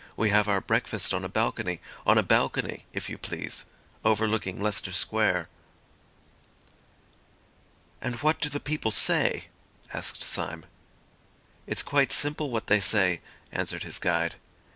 We have our breakfast on a balcony—on a balcony, if you please—overlooking Leicester Square." "And what do the people say?" asked Syme. "It's quite simple what they say," answered his guide.